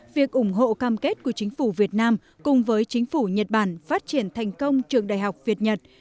việc ủng hộ cam kết của chính phủ việt nam cùng với chính phủ nhật bản phát triển thành công trường đại học việt nhật